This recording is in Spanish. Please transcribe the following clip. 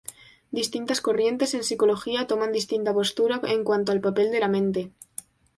Distintas corrientes en psicología toman distinta postura en cuanto al papel de la mente.